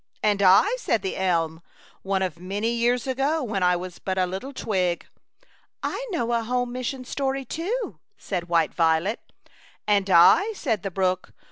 " And I," said the elm ;" one of many years ago, when I was but a little twig." " I know a home mission story too," said White Violet. " And I," said the brook.